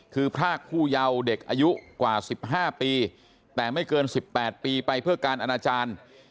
คือพรากผู้เยาว์เด็กอายุกว่า๑๕ปีแต่ไม่เกิน๑๘ปีไปเพื่อการอนาจารย์